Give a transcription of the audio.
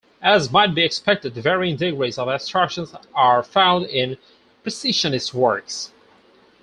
As might be expected, varying degrees of abstraction are found in Precisionist works.